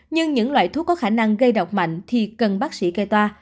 nhưng những loại thuốc có khả năng gây độc mạnh thì cần bác sĩ kê toa